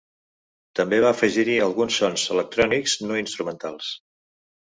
També va afegir-hi alguns sons electrònics no instrumentals.